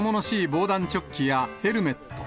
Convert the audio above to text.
防弾チョッキやヘルメット。